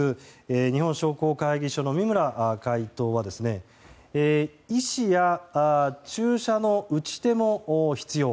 日本商工会議所の三村会頭は医師や注射の打ち手も必要。